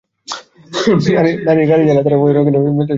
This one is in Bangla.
নারীরা গাড়ি চালালে তাঁরা বাইরের পুরুষের সঙ্গে মেলামেশার সুযোগ পেয়ে যাবেন।